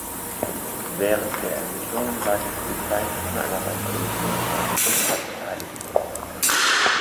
Während der Ermittlungen war die Polizei von einer weit größeren Zahl von Tatbeteiligten ausgegangen.